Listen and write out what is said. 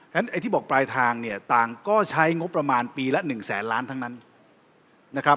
ไอ้ที่บอกปลายทางเนี่ยต่างก็ใช้งบประมาณปีละ๑แสนล้านทั้งนั้นนะครับ